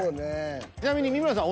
ちなみに三村さん